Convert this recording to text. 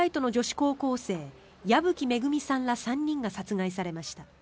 高校生矢吹恵さんら３人が殺害されました。